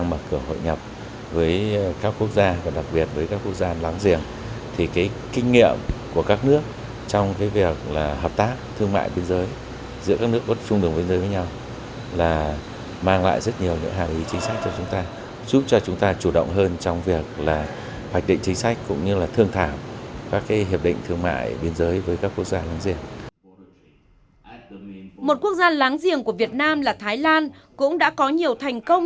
một quốc gia láng giềng của việt nam là thái lan cũng đã có nhiều thành công